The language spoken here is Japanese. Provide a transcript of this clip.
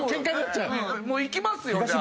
もういきますよじゃあ。